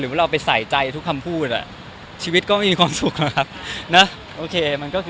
หรือว่าเราไปใส่ใจทุกคำพูดอ่ะชีวิตก็ไม่มีความสุขหรอกครับ